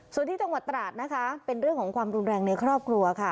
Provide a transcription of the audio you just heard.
ส่วนที่จังหวัดตราดนะคะเป็นเรื่องของความรุนแรงในครอบครัวค่ะ